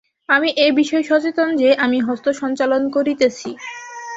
আমি এ বিষয়ে সচেতন যে, আমি হস্ত সঞ্চালন করিতেছি।